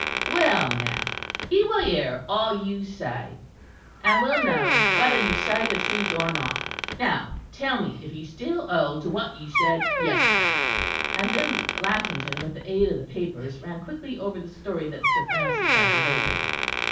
"Well, now, he will hear all you say; and will know whether you say the truth or not. Now tell me if you still hold to what you said yesterday." And then Lackington with the aid of the papers ran quickly over the story that Sir Francis had related.